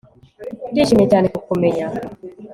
ndishimye cyane kukumenya